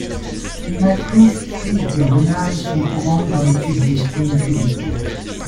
Les matrices tridiagonales sont courantes dans l'étude des splines cubiques.